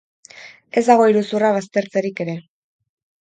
Ez dago iruzurra baztertzerik ere.